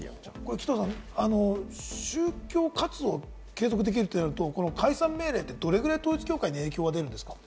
紀藤さん、宗教活動を継続できるってなると、解散命令って、どれぐらい統一教会に影響が出るんですか？